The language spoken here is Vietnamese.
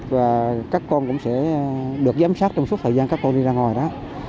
và các con cũng sẽ được giám sát trong suốt thời gian các con đi ra ngoài đó